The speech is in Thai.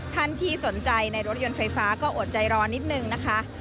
ท่านที่สนใจในรถยนต์ไฟฟ้าก็อดใจรอนิดนึงนะคะ